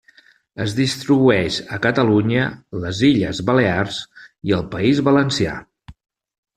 Es distribueix a Catalunya, les Illes Balears i al País Valencià.